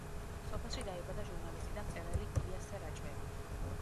სოფელში დაიბადა ჟურნალისტი და მწერალი იასე რაჭველი.